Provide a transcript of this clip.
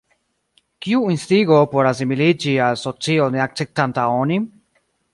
Kiu instigo por asimiliĝi al socio ne akceptanta onin?